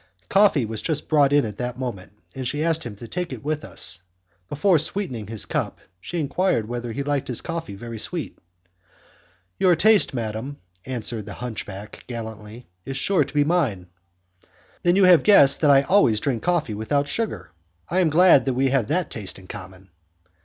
Coffee was just brought in at that moment, and she asked him to take it with us. Before sweetening his cup, she enquired whether he liked his coffee very sweet. "Your taste, madam," answered the hunchback, gallantly, "is sure to be mine." "Then you have guessed that I always drink coffee without sugar. I am glad we have that taste in common."